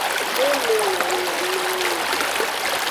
De le nyanyamenung o.